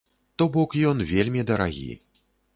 То бок ён вельмі дарагі.